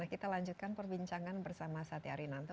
kita lanjutkan perbincangan bersama satya rinanto